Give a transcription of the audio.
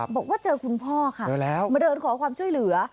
บอกว่าเจอคุณพ่อค่ะมาเดินขอความช่วยเหลือ